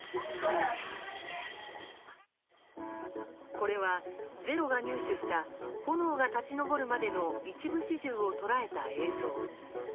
これは「ｚｅｒｏ」が入手した炎が立ち上るまでの一部始終を捉えた映像。